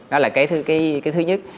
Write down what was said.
đó là cái thứ nhất